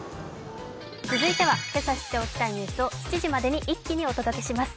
続いては今朝知っておきたいニュースを７時までに一気にお届けします。